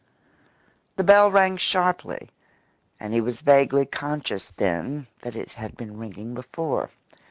The bell rang sharply, and he was vaguely conscious then that it had been ringing before.